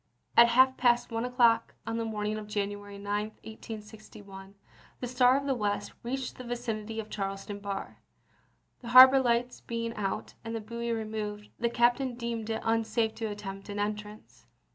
At half past one o'clock on the morning of Janu ary 9, 1861, the Star of the West reached the vicin ity of Charleston bar. The harbor lights being out, and the buoy removed, the captain deemed it un safe to attempt an entrance.